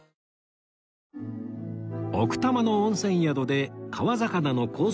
奥多摩の温泉宿で川魚のコース